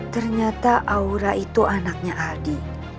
ternyata aura itu anaknya adi